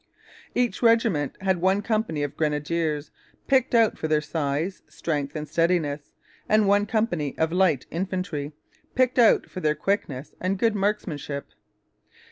Each regiment had one company of grenadiers, picked out for their size, strength, and steadiness, and one company of light infantry, picked out for their quickness and good marksmanship.